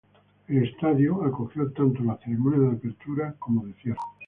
El estadio acogió tanto las ceremonias de apertura como de cierre.